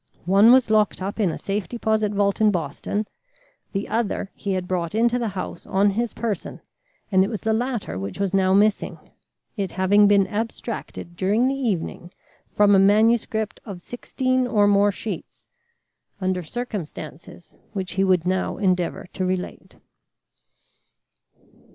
One was locked up in a safe deposit vault in Boston, the other he had brought into the house on his person, and it was the latter which was now missing, it having been abstracted during the evening from a manuscript of sixteen or more sheets, under circumstances which he would now endeavour to relate.